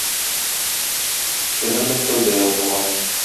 Шигырь Мәскәүдә язылган.